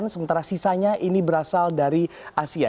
sementara sisanya ini berasal dari asia